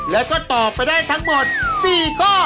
แล้วก็ตอบไปได้ทั้งหมด๔ข้อ